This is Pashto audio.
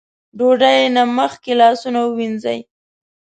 ډوډۍ نه مخکې لاسونه ووينځئ ـ